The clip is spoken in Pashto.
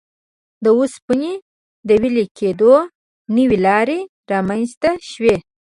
د اوسپنې د وېلې کېدو نوې لارې رامنځته شوې.